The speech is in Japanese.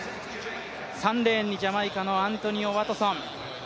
３レーンにジャマイカのアントニオ・ワトソン。